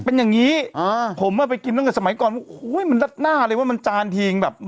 เป็นอย่างงี้อ่าผมอ่ะไปกินตั้งแต่สมัยก่อนโอ้โหมันรัดหน้าเลยว่ามันจานทีงแบบ